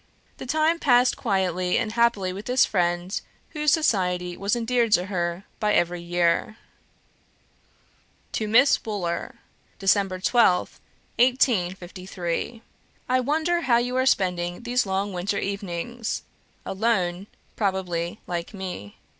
The time passed quietly and happily with this friend, whose society was endeared to her by every year. To Miss WOOLER "Dec. 12th, 1853. "I wonder how you are spending these long winter evenings. Alone, probably, like me.